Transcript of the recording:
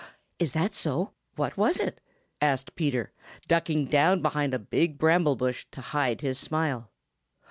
"Is that so? What was it?" asked Peter, ducking down behind a big bramble bush to hide his smile.